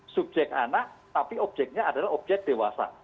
subjek anak tapi objeknya adalah objek dewasa